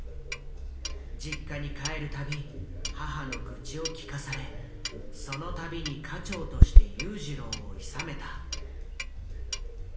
実家に帰る度母の愚痴を聞かされその度に家長として裕次郎をいさめた。